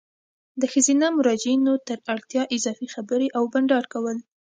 د ښځینه مراجعینو تر اړتیا اضافي خبري او بانډار کول